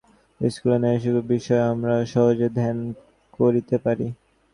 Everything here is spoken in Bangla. এই-সকল সমাধির অভ্যাস দ্বারা স্থূলের ন্যায় সূক্ষ্ম বিষয়ও আমরা সহজে ধ্যান করিতে পারি।